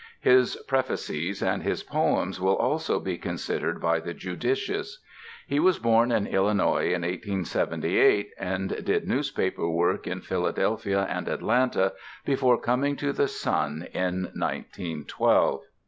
His Prefaces and his poems will also be considered by the judicious. He was born in Illinois in 1878, and did newspaper work in Philadelphia and Atlanta before coming to the Sun in 1912.